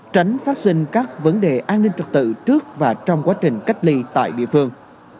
tránh phát sinh các vấn đề an ninh trật tự trước và trong quá trình cách ly tại địa phương